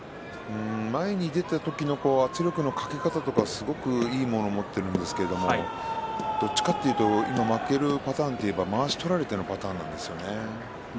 前に出た時の圧力のかけ方とかはすごくいいものを持っているんですけれどもどっちかというと今負けるパターンっていえばまわしを取られてのパターンなんですよね。